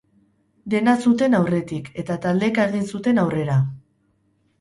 Dena zuten aurretik, eta taldeka egin zuten aurrera.